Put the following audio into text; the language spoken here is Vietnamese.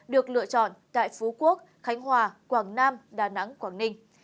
được lựa chọn tại phú quốc khánh hòa quảng nam đà nẵng quảng ninh